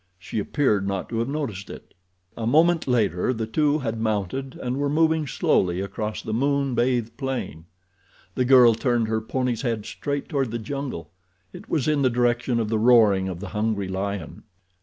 She appeared not to have noticed it. A moment later the two had mounted and were moving slowly across the moon bathed plain. The girl turned her pony's head straight toward the jungle. It was in the direction of the roaring of the hungry lion.